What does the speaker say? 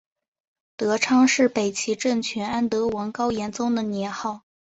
德昌是北齐政权安德王高延宗的年号。